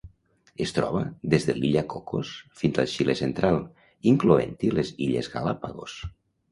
Es troba des de l'Illa Cocos fins al Xile central, incloent-hi les Illes Galápagos.